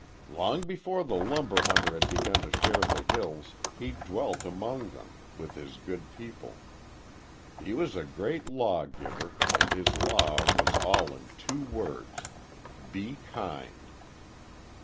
"Long before the lumber hunter had begun to shear the hills, he dwelt among them, with his good people. He was a great law giver, and his law was all in two words '_Be kind.